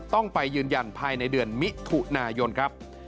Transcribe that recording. ต้องไปยืนยันภายในเดือนมิถุนายนครับ